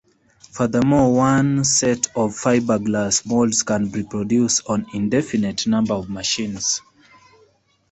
Furthermore, one set of fiberglass molds can reproduce an indefinite number of machines.